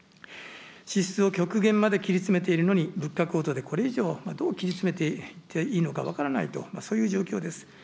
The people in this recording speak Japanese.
支出を極限まで切り詰めているのに、物価高騰でこれ以上、どう切り詰めていっていいのか分からないという、そういう状況です。